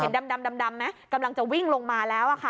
ดำไหมกำลังจะวิ่งลงมาแล้วค่ะ